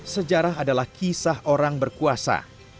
sejarah adalah kisah orang berkuasa